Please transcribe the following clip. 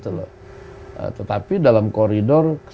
tetapi dalam koridor semangatnya adalah bagaimana kita berjalan lancar